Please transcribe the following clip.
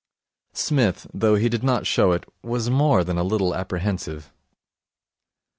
Psmith, though he did not show it, was more than a little apprehensive.